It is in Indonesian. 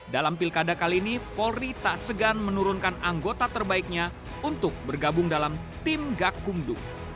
dalam pilkada kali ini polri tak segan menurunkan anggota terbaiknya untuk bergabung dalam tim gakumdu